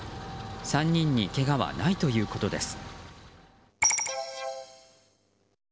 ３人にけがはないということです。